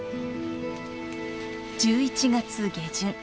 １１月下旬。